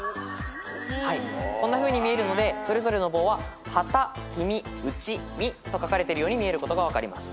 こんなふうに見えるのでそれぞれの棒は「はたきみうちみ」と書かれてるように見えることが分かります。